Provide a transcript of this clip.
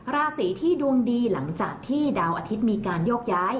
ราศีที่ดวงดีหลังจากที่ดาวอาทิตย์มีการโยกย้าย